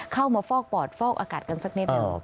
ฟอกปอดฟอกอากาศกันสักนิดหนึ่ง